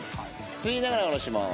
吸いながら下ろします。